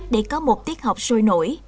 để có một tiết học sôi nổi